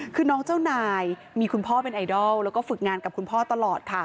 คือน้องเจ้านายมีคุณพ่อเป็นไอดอลแล้วก็ฝึกงานกับคุณพ่อตลอดค่ะ